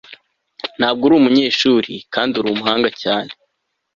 ntabwo uri umunyeshuri kandi uri umuhanga cyane